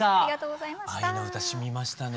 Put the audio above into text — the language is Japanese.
「愛の詩」しみましたね。